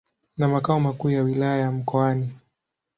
na makao makuu ya Wilaya ya Mkoani.